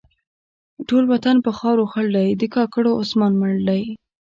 ټول وطن په خاورو خړ دی؛ د کاکړو عثمان مړ دی.